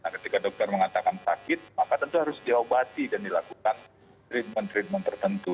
ketika dokter mengatakan sakit maka tentu harus diobati dan dilakukan treatment treatment tertentu